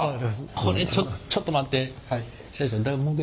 これちょっと待って。